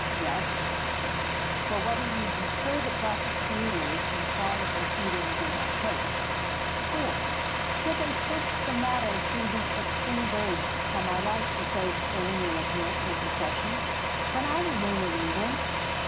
Yes: for whether you deter the prosecutors from farther proceedings in my case,—or, should they push the matter to the extreme verge, and my life be saved only at your intercession,—can I remain in England?